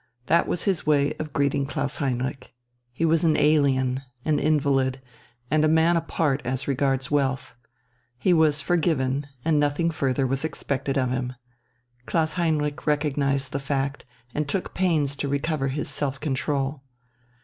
That was his way of greeting Klaus Heinrich. He was an alien, an invalid, and a man apart as regards wealth. He was forgiven and nothing further was expected of him Klaus Heinrich recognized the fact, and took pains to recover his self control.